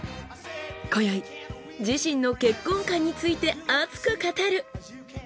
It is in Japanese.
今宵自身の結婚観について熱く語る！